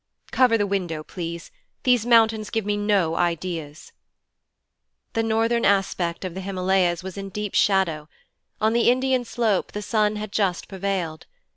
'Cover the window, please. These mountains give me no ideas.' The northern aspect of the Himalayas was in deep shadow: on the Indian slope the sun had just prevailed.